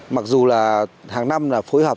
mặc dù là hàng năm là phối hợp